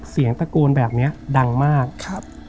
เสียงตะโกนแบบนี้ดังมากครับ